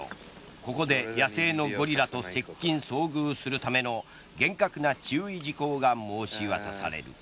ここで野生のゴリラと接近、遭遇するための厳格な注意事項が申し渡される。